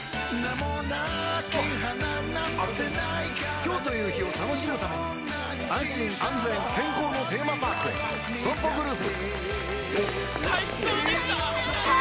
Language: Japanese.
今日という日を楽しむために安心安全健康のテーマパークへＳＯＭＰＯグループ